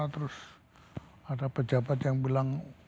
terus ada pejabat yang bilang